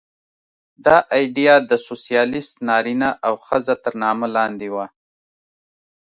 دا ایډیا د سوسیالېست نارینه او ښځه تر نامه لاندې وه